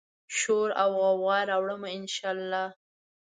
شوراوغوغا راوړمه، ان شا الله